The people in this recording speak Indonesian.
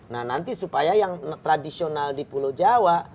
nah nanti supaya yang tradisional di pulau jawa